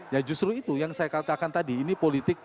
ya justru itu yang saya katakan tadi ini politik